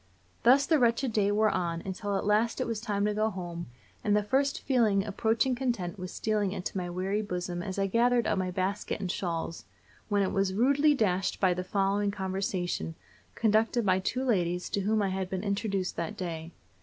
Thus the wretched day wore on, until at last it was time to go home, and the first feeling approaching content was stealing into my weary bosom as I gathered up my basket and shawls, when it was rudely dashed by the following conversation, conducted by two ladies to whom I had been introduced that day.